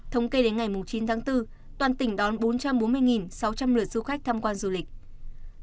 thống kê đến ngày chín tháng bốn toàn tỉnh đón bốn trăm bốn mươi sáu trăm linh lượt du khách tham quan du lịch